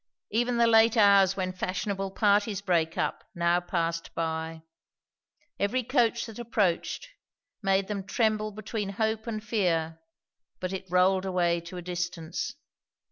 Even the late hours when fashionable parties break up, now passed by. Every coach that approached made them tremble between hope and fear; but it rolled away to a distance.